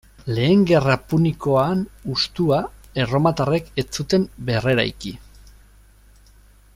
Lehen Gerra Punikoan hustua, erromatarrek ez zuten berreraiki.